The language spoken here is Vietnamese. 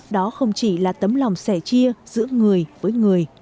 đó không chỉ là tấm lòng sẻ chia giữa người với người